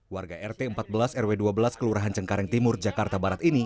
warga rt empat belas rw dua belas kelurahan cengkareng timur jakarta barat ini